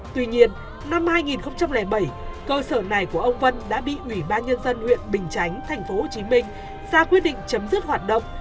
tuy nhiên năm hai nghìn bảy cơ sở này của ông vân đã bị ủy ban nhân dân huyện bình chánh tp hcm ra quyết định chấm dứt hoạt động